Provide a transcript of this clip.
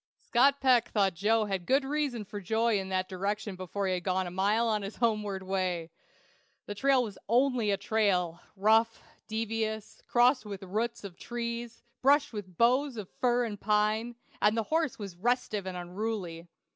Scott Peck thought Joe had good reason for joy in that direction before he had gone a mile on his homeward way! The trail was only a trail, rough, devious, crossed with roots of trees, brushed with boughs of fir and pine, and the horse was restive and unruly.